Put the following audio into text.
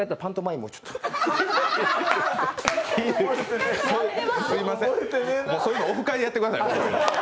もうそういうのオフ会でやってください。